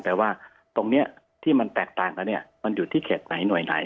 แต่ว่าตรงนี้ที่มันแตกต่างกันเนี่ยมันอยู่ที่เขตไหนหน่วยไหน